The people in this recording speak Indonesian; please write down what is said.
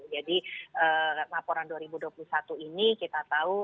jadi laporan dua ribu dua puluh satu ini kita tahu